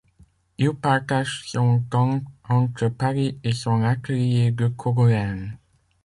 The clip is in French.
Il partage son temps entre Paris et son atelier de Cogolin.